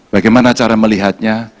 bagaimana cara melihatnya